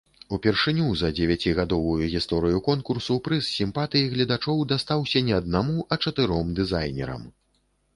Упершыню за дзевяцігадовую гісторыю конкурсу прыз сімпатый гледачоў дастаўся не аднаму, а чатыром дызайнерам.